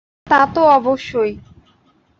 তা তো অবশ্যই।